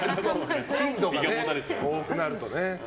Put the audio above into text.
頻度が多くなると。